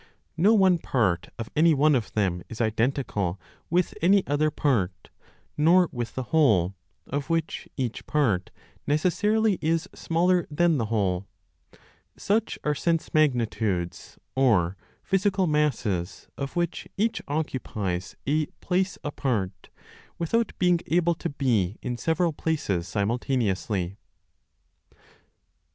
No one part of any one of them is identical with any other part, nor with the whole, of which each part necessarily is smaller than the whole. Such are sense magnitudes, or physical masses, of which each occupies a place apart, without being able to be in several places simultaneously.